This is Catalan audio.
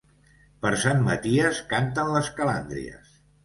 Per Sant Maties canten les calàndries.